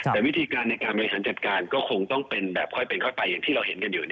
แต่วิธีการในการบริหารจัดการก็คงต้องเป็นแบบค่อยเป็นค่อยไปอย่างที่เราเห็นกันอยู่